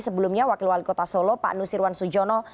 sebelumnya wakil wali kota solo pak andus sirwan sujono